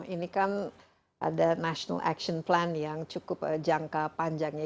ini kan ada national action plan yang cukup jangka panjangnya